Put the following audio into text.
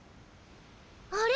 あれ？